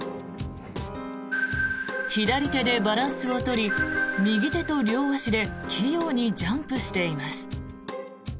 左手でバランスを取り右手と両足で器用にジャンプしています。